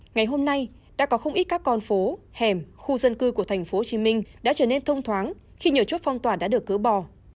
ngày hôm nay đã có không ít các con phố hẻm khu dân cư của tp hcm đã trở nên thông thoáng khi nhiều chốt phong tỏa đã được cớ bỏ